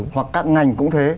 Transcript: hoặc các ngành cũng thế